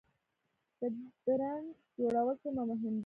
د برنډ جوړول څومره مهم دي؟